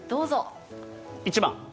１番。